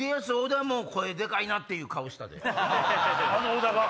あの小田が！